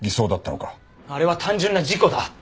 あれは単純な事故だ！